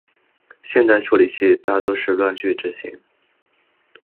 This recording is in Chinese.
现代处理器大都是乱序执行。